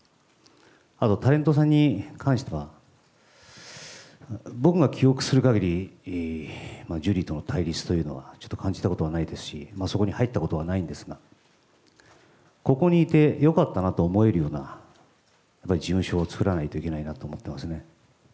あと、タレントさんに関しては、僕が記憶するかぎり、ジュリーとの対立というのは、ちょっと感じたことはないですし、そこに入ったことはないんですが、ここにいてよかったなと思えるような事務所を作らないといけないと思っていますね。